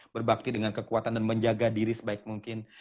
berbakti dengan kekuatan dan menjaga diri sebaik mungkin